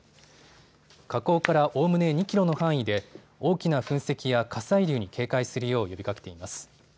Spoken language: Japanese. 火口からおおむね２キロの範囲で大きな噴石や火砕流に警戒するよう呼びかけています。